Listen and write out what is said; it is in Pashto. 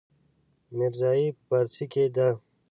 ميرزايي په پارسي کې ده.